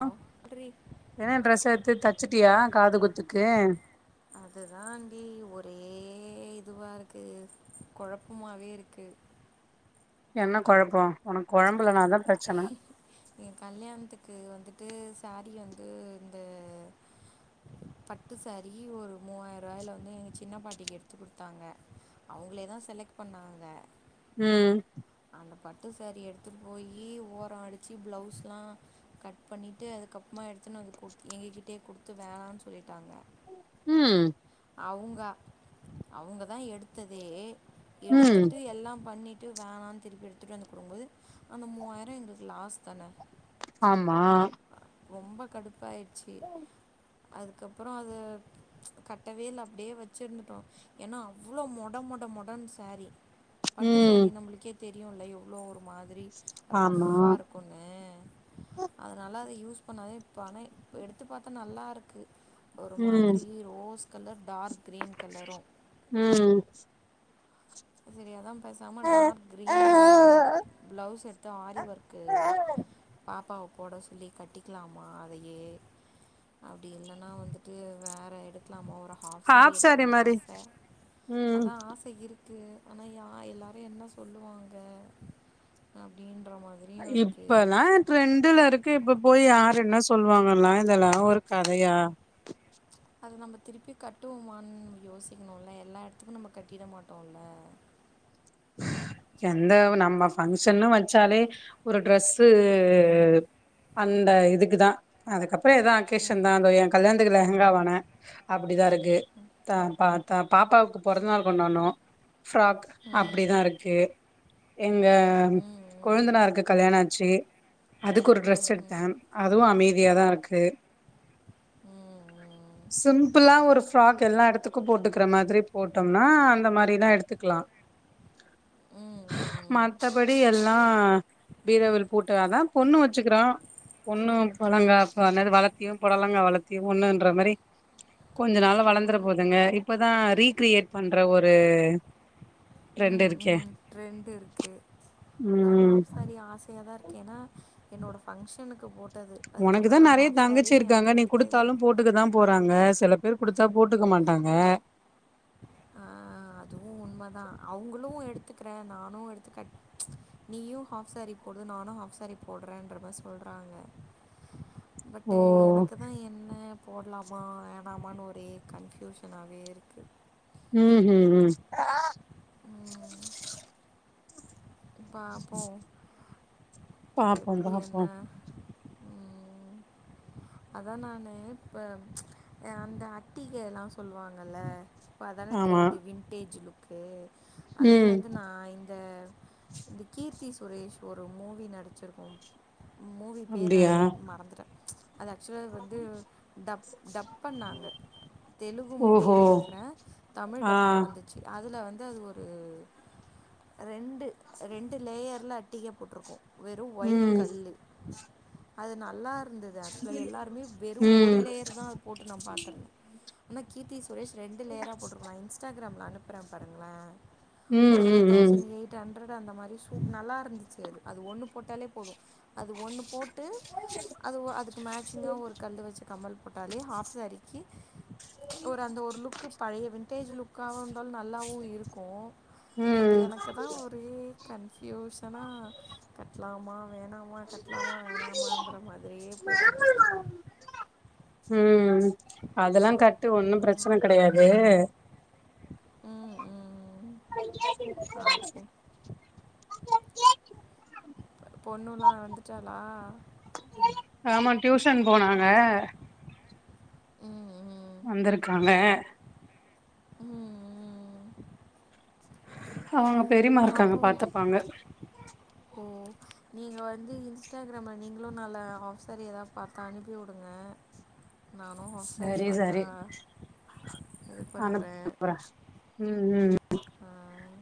Hello என்ன dress எடுத்து தச்சுட்டியா காது குத்துக்கு அதுதான்டி ஒரே இதுவாருக்கு கொழப்பமாவே இருக்கு என்ன கொழப்போ‌ உனக்கு கொழம் ஏ கல்யாண்த்துக்கு வந் துட்டு சாரீ வந்து இந்த பட்டு சாரி ஒரு மூவாயிருவாயில வந்து எங்க சின்ன பாட்டிக்கு எடுத்து குடுத்தாங்க அவுங்களேதா செலக்ட் பண்ணாங்க ம் அந்த பட்டு சாரீ எடுத்துட்டு போயி ஓரோ அடுச்சு ப்ளவுஸ்லா கட் பண்ணிட்டு அதுக்கப்மா எடுத்துனு வந்து குடுத்து எங்க கிட்டயே குடுத்து வேணானு சொல்லிட்டாங்க ம் அவுங்க அவுங்க தா எடுத்ததே ம் எடுத்துட்டு எல்லா பண்ணி ட்டு வேணான் திருப்பி எடுத்துட்டு வந்து குடுக்கும்போது அந்த மூவாயிரம் எங்களுக்கு லாஸ் தானே ஆமா ரொம்ப கடுப்பாயிருச்சு அதுக்கப்றோ அது ச் கட்டவே இல்ல அப்டியே வச்சுருந்துட்டோ ஏனா அவ்ளோ மொட மொ மொட னு சாரீ பட்டு ம் சரி நம்மளுக்கே தெரியுல எவ்ளோ ஒரு மாதிரி ஆமா ரஃபா இருக்குனு அது நால அத யூஸ் பண்ணாதே பண ப்ப எடுத்து பாத்தா நல்லாருக்கு ஒரு ம் மாதிரி rose colour dark green colour ம் சேரி அதா பேசாம டார்க் கிரீன்ல பிளவுஸ் எடுத்து ஆரி ஒர் க்கு பாப்பாவ போட சொல்லி கட்டிக்கலாமா அதையே அப்டி இல்லனா வந்துட்டு வேற எடுக்லாமோ ஹாஃப் சாரீ சாரி எடுக்லான்னு மாரி ஆச ம் அதா ஆசை இருக் கு ஆனா யா எல்லாரு என்ன சொல்லுவாங்க அப்டின் இப்பல்லா ட்ரெண்டுல இருக்கு இப்ப போய் யார் என்ன சொல்லுவாங்கல்லா இதெல்லா ஒரு கதையா அத நம்ப திருப்பி கட்டுவோமான் யோசிக்ணுல எல்லா இடத்துக்கு நம்ப கட்டிட மாட்டோல [inaudible] எந்த நம்ம பஃங்க்ஷன்னு வச்சாலே ஒரு ட்ரெஸ்ஸு அந்த இதுக்குதா அதுக்கப்ற எதா ம் அக்கேஷன்தா அந்த ஏ கல்யாண்த்துக்கு லெஹெங்கா வான அப்டிதா இருக்கு த பா த பாப்பாவுக்கு பொறந்த நாள் கொண்டான்னோ பிஃராக்கு ம் ம் அப்டிதா இருக்குது எங்க ம் கொழுந்தனாருக்கு கல்யாண ஆச்சி அதுக்கொரு ம் ட்ரெஸ் ம் ம் எடுத்த அதுவு அமைதியாதாருக்கு ம் ம் சிம்ப்பிளா ஒரு பிஃராக் எல்லா எடத்துக்கு போட்டுக்கிற மாரி போட்டம்னா அந்த மாரிலா எடுத்துக்லா ம் மத்தபடி எல் லா பீராவில் பூட்டு அதா பொண்ணு வச்சிகிறோ பொண்ணும் பொழங்காப் என்னது வளத்தியு பொடலங்கா வளத்தியு ஒன்னுன்ற மாரி கொஞ்ச நாள்ல வளந்தர போதுங்க இப்பதா ரீகிரியேட் பண்ற ஒரு ட்ரெண்ட் உம் இருக்கே உம் ட்ரெண்டிருக்கு தா ம் ஹாஃப் சேரி ஆசையாதாருக்கு ஏனா என்னோட பஃங்க்ஷனுக்கு ஒனக்குதா நெறைய தங்கச்சி இருக்காங்க எனக்குன்னு நீ எடுத்ததில்லை குடுத்தாலும் போட்டுக்தா போறாங்க சில பேரு குடுத்தா போட்டுக்க மாட்டாங்க ஆ அதுவு உண் மதா அவுங்குளு எடுத்துக்றே நானு எடுத்து கட் நீயு ஹாஃப் சேரி போடு நானு ஹாஃப்ஸ் சரிப் போட்றேன்றமா சொல்றாங்க ஓ பட்டு் எனக்குதா என்ன போட்லாமா வே ஆமான்னு ஒரே கன்ஃபியூஷனாவேருக்கு உம் உம் உம் பாப்போ பாப்போ எப்டி பாப்போ என்ன ம் அதா நானு இப்ப அ அந்த அட்டிகெலா சொல்லுவாங்கல இப்போ அதான ஆமா ட்ரெண்டு வின்டேஜ் லுக்கு அதுலியே ம் வந்து நா இந்த இந்த கீர்த்தி சுரேஷ் ஒரு மூவி நடிச்சிருக்கு மூவி பேர் அப்டியா நடந்துட் மறந்துட்ட அது ஆக்சுவலா வந்து டப் டப்பன்னாங் க தெலுகு மூவின் ஓஹோ நெனைக்கிறே தமிழ் ஆ டப்ல வந்துச்சு அதுல வந் து அது ஒரு ரெண்டு ரெண்டு லேயர்ல அட்டிக போட்ருக்கு வெறு ஒயிட் ம் கல்லு அது நல்லா இருந்தது ஆக்சுலா எல்லாருமே வெறு ஒரு ம் லேயர்தா அது போட்டு நா பாத்தர ஆனா கீர்த்தி சுரேஷ் ரெண்டு லேயரா போட்டிருக்கலா இன்ஸ்டாகிராம்ல அனுப்றே பாருங்ளே உம் உம் உம் அந்த மாரி சூப் நல்லாருந்துச்சு அது அது ஒன்னு போட்டாலே போது அது ஒன்னு போட் டு அது ஒ அதுக்கு மேட்சிங்கா ஒரு கல்லு வச்ச கம்மல் போட்டாலே ஹாஃப் சேரிக்கி ஒரு அந்த ஒரு லுக்கு பழைய விண்ட்டேஜ் லுக்காவந்தாலு நல்லாவு இருக்கு பட் ம் எனக்குதா ஒரே கன்ஃபியூஷனா கட்லாமா வேணாமா கட்லாமா வேணாமான்ற மாதிரியே போய்கிட்ருக்கு உம் அதுலா கட்டு ஒன்னு ம் பிரச்சன கெடையாது ம் ம் பொண்ணுலா வந்துட்டாளா ஆமா டியூஷன் போனாங்க உம் உம் வந்திருக்காங்க உம் உம் அவங்க பெரியமா இருக்காங்க பாப்போ பாத்துப்பாங்க ஓ நீங்க வந் ந்து இன்ஸ்டாகிராம நீங்ளு நல்ல ஹாஃப் சேரி எதாவ் பாத்தா அனுப்பிவுடுங்க செரி செரி இது பண்ணுறேன் அனுப்புற உம் உம் உம்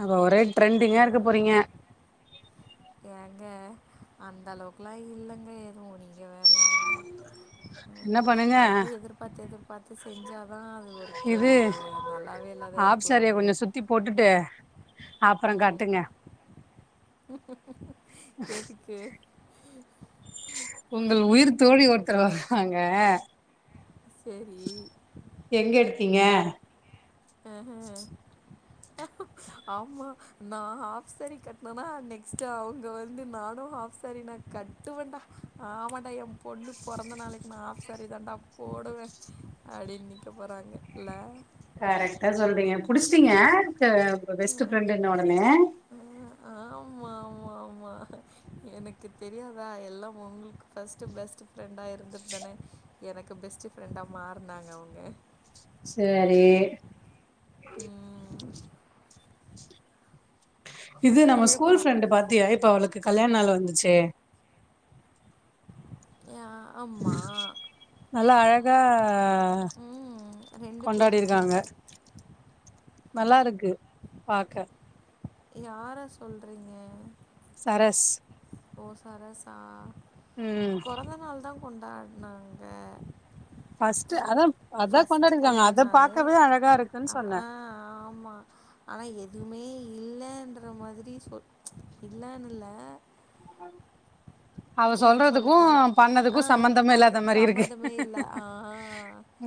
அங்க ஒரே ட்ரெண்டிங்கா இருக்க போறீங்க ஏங்க அந்த அளவுக்குல்லா இல்லங்க எதுவு நீங்க வேற ஏங்க ம் என்ன ம் பண்ணுங்க ரொம்ப எதிர்பாத்து எதிர்பாத்து செஞ்சா தா அது ஒரு கேவ் ஒரு நல்லாவே இல்லத எனக் சேரி கொஞ்சோ சுத்தி போட்டுட்டே அப்பறோ ம் கட்டுங்க எதுக்கு உங்கள் உயிர் தோழி ஒருத்தர் வராங்க சரி எங்க எடுத்தீங்க அ ஆ ம் ஆமா நா ஹாஃப் சாரி கட்னனா நெக்ஸ்ட்டு அவுங்க வந்து நானு ஹாஃப் சேரி நா கட்டுவேண்டா ஆமான்டா என் பொண்ணு பொறந்த நாளைக்கு நா ஹாஃப் சாரி தாண்டா போ போடுவே அப்டின்னு நிக்க போறாங்க இல்ல கரெக்ட்டா சொல்றீங்க புடிச்சிட்டீங்க த பெஸ்ட் அஹ், ஃப்ரெண்டுன்ன ஒடனையே ஆமா ஆமா ஆமா எனக்கு தெரியாதா எல்லா உங்களுக்கு ஃபர்ஸ்ட்டு பெஸ்ட்டு ஃப்ரெண்டா இருந்துட் தானே எனக்கு பெஸ்ட் ஃப்ரெண்டா மாறுனாங்க அவுங்க சேரி ம். இது கீழ நம்ம ஸ்கூல் விழப்போறோம். ஃப்ரெண்டு பாத்தியா இப்ப அவளுக்கு கல்யாண நாளு வந்துச்சே ஏ ஆ ஆம்மா நல்லா அழகா ம். கொண்டாடி இருக்காங்க பேருக்கும். நல்லா இருக்கு பாக்க யார சொல்றீங்க சரஸ் ஓ சரஸ்சா ம் பெறந்த நாள் தா கொண்டாடுனாங்க ஃபஸ்ட்டு அதான் அதா கொண்டாடிருக்காங்க கல்யாண அத நாள் பாக்கவே அழகா இருக்குனு சொன்னே ஆனா எதுவுமே இல்லன்ற மாதிரி சொ இல்லனுல்ல அவ எனக்கு சொல்ல சொல்றதுக்கு தெரில ஆ பண்ணதுக்கு சம்பந்தமே பண்ணு இல்லாத மாரி இருக்கு சம்மந்தமே இல்லை ஆ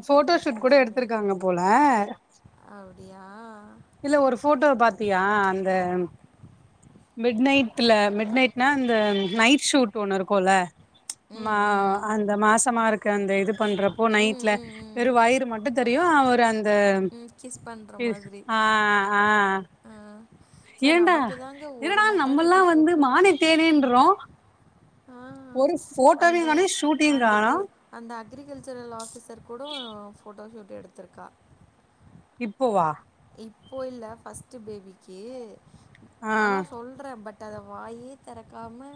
ஃபோட்டோஷூட் கரெக்டாக கூட சொன்னீங்க எடுத்திருக்காங்க போல அப்படியா இல்ல ஒரு ஃபோட்டோவ பாத்தியா அந்த ம் மிட் நைட்ல மிட் நைட்னா இந்த நைட் ஷூட் ஒன்னு இருக்கோல மா ம் ம் அந்த மாசமா இருக்க அந்த இது பண்றப்போ ம் நைட்ல ம் ம் வெறு வயிறு மட்டு தெரியு அவரு அந் அ ம் கிஸ் பண்ணுற ஸ் மாதிரி ஆ ஆ ஆ. சார் ஏண்டா நமக்கு தாங்க ஒரு என்னடா மெட்டர்னிட்டி நம்மல்லாம் ஷூட் வந்து கூட மானே தேனேன்றோ ஆ ஒரு போட்டோவையு அந்த காணோ ஷூட்டையு அந்த வி காணோ அந்த அக்ரிகல்ச்சரல் ஆஃபிசர் கூட ஃபோட்டோ ஷூட் எடுத்துருக்கா இப்போவா இப்போ இல்ல ஃபர்ஸ்ட் பேபிக்கு ஆ ஆனா சொல்றே பட் பட் அத வாயே தெறக்காம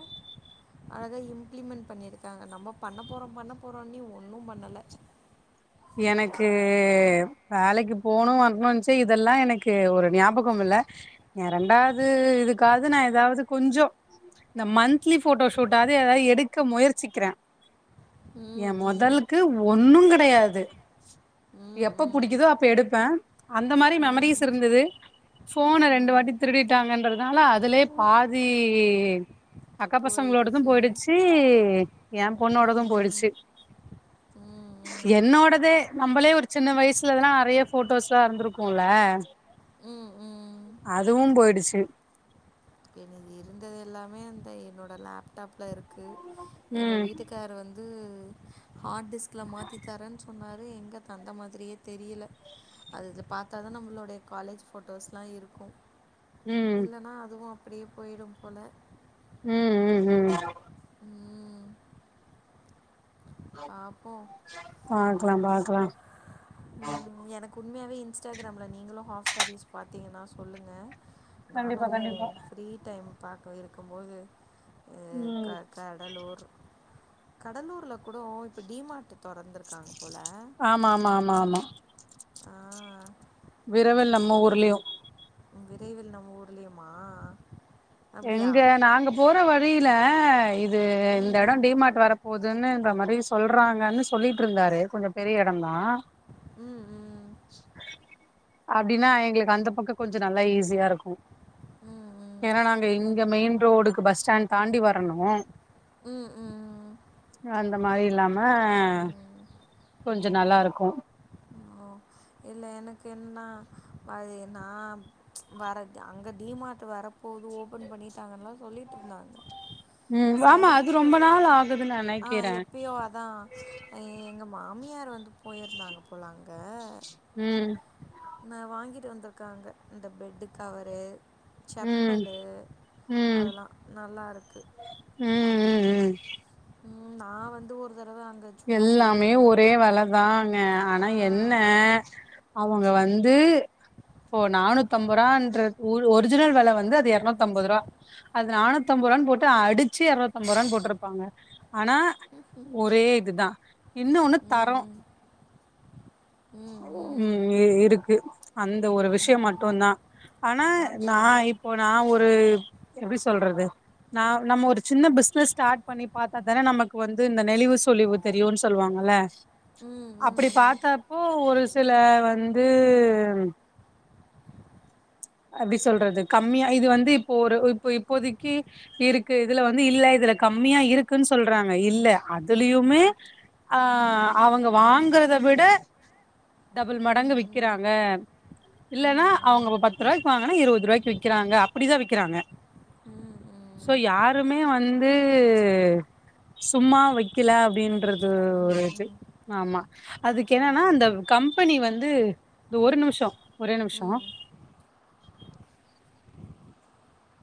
அத இம்பிளிமென்ட் பண்ணியிருக்காங்க நம்ம பண்ண போறோ பண்ண போறோ இன்னியு ஒன்னு பண்ணல [inaudible] எனக்கு வேலைக்கு போணு வரணோன்சே இதெல்லா எனக்கு ஒரு ஞாபகம் இல்ல எயா ரெண்டாவது இதுக்காது நான் ஏதாவது கொஞ்சோ இந்த மந்த்லி போட்டோ ஷூடாது ஏதாது எடுக்க முயற்சிக்கிறே ம். எயி ம். மொதல்கு ஒன்னு கெடையாது ம். எப்ப ம். புடிக்கிதோ அப்ப எடுப்பே அந்த மாரி ம். மெமரிஸ் இருந்தது ஃபோன ரெண்டு ம். வாட்டி திருடிட்டாங்கன்றதுனால அதுலயே பாதி அக்கா பசங்களோடதும் போயிடுச்சு. போயிடுச்சு என் ம். பொண்ணோடதும் ம். போயிடுச்சு ம். ம். என்னோட நம்மளே ஒரு சின்ன வயசுலல்லா நிறைய போட்டோஸ்லா இருந்திருக்குல்ல ம் ம் அதுவும் போயிடுச்சி இது இருந்தது எல்லாமே அந்த என்னோட லேப்டாப்ல இருக்கு எங்க ம் வீட்டுக்காரு வந்து ஹார்ட் டிஸ்க்ல மாத்தி தரன் சொன்னாரு எங்க தந்த மாதிரியே தெரியல அதுதுல பாத்தா தா நம்மளுடைய காலேஜ் போட்டோஸ்லா இருக்கு ம் இல்லன்னா அதுவும் அப்டியே போயிடும் போல ம் ம் ம் ம் பார்ப்போம் பாக்கலா பாக்கலா எனக்கு உண்மையாவே இன்ஸ்டாகிரம்ல நீங்களும் ஹாஃப் சாரீஸ் பாத்தீங்கன்னா சொல்லுங்க நானு கண்டிப்பா கண்டிப்பா ஃப்ரீ டைம் பாக்க இருக்கும்போது அஹ் ம் க கடலூர் கடலூர்ல கூடோ இப்போ டிமார்ட் தொறந்துருக் ஆமா ஆமா ஆமா ஆமா விரைவில் நம்ம ஊர்லயு உ விரைவில் நம்ம ஊர்லயுமா எங்க நாங்க போற வழியில து இந்த ம் எடம் டிமார்ட் வர போதுன்னு இந்த மா ரி சொல்றாங்கன்னு சொல்லிட்டு இருந்தாரு கொஞ்ச பெரிய எடம் தா ம் ம் அப்டின்னா எங்களுக்கு அந்த பக்கோ கொஞ்ச நல்லா ஈஸியா இருக்கு ம் ம் ஏன்னா நாங் இங்க என்- மெயின் ரோடுக்கு பஸ் ஸ்டாண்ட் தாண்டி வரணு ம் ம் ம் அந்த மாரி இல்லாம கொஞ்சோ நல்லா இருக்கு ஹோஹ் இல்ல எனக்கு என்னனா வ அது நா வரது அங்க டிமார்ட் வரப்போ போது ஓபன் பண்ணிட்டாங்கன்ளா சொல்லிட்டு இருந்தாங்க உம் ஆமா அது ரொம்ப நாள் ஆகுது ஆஹ் எப்பயோ அதான் எங்க மா மியார் வந்து போயிருந்தாங்க போல அங்க ம் நா வாங்கிட்டு வந்திருக்காங்க இந்த பெட்டு கவரு ம் செப்பலு ம் அதெல்லா நல்லா இருக்கு ம் ம் ம் உம் நா வந்து ஒரு தடவ அங்க சும்மா எல்லாமே ஒரே போயிருந்தப்போ விலைதாங்க ஆனா ஆ. என்ன அவுங்க வந்து போ நானூத்தம்பது ருபான்றது ஒ ஒரிஜினல் வில வந்து அது இரநூத்தம்பது ரூபா அது நானூத்தம்பது ரூபான்னு போட்டு அடிச்சு எறநூத்தம்பது ரூபான்னு போட்டிருப்பாங்க ஆனா ஒரே இதுதான் இன்னு ஒண்ணு ம், தரோம் ம். ம், உம் ம். இருக்கு அந்த ஒரு விஷ்யோ ம், மட்டுந்தா ஆனா அதாங்க நா இப்போ நா ஒரு எப்டி சொல்றது நா நம்ம ஒரு சின்ன பிசினஸ் ஸ்டார்ட் பண்ணி பாத்தா தானே நமக்கு வந்து இந்த நெளிவு சொழிவு தெரியும்ன்னு சொல்லுவாங்கல்ல ம் அப்டி ம் பாத்தப்போ ஒரு சில வந்து அப்டி சொல்றது கம்மியா இது வந்து இப்போ ஒரு இப்ப இப்போதைக்கு இருக்கு இதுல வந்து இல்ல கம்மியா இருக்குன்னு சொல்றாங்க இல்ல அதுலயுமே ஆஹ் அவுங்க வாங்கறத விட டபுள் ம் மடங்கு ம் விக்கிறாங்க இல்லன்னா ம் ம் அவங்க ப்ப பத் து ரூபாய்க்கு வாங்கனா இருவது ரூபாக்கு விக்கிறாங்க அப்டிதா விக்கிறாங்க ம் ம் சோ யாருமே வந்து சும்மா வைக் கீழ அப்படின்றது வைக்கல ஒரு ம் இது ம் ஆமா அதுக்கு ஆ, என்னன்னா அந்த கம்பெனி வந்து ஒரு நிமிஷ ஒரே நிமிஷோ ம்